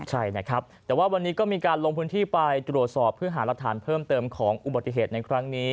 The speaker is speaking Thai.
ใช่นะครับแต่ว่าวันนี้ก็มีการลงพื้นที่ไปตรวจสอบเพื่อหารักฐานเพิ่มเติมของอุบัติเหตุในครั้งนี้